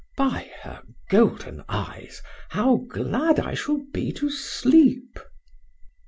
By her golden eyes, how glad I shall be to sleep."